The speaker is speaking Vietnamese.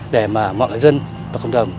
để mọi người dân và cộng đồng